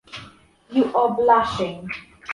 You are blushing.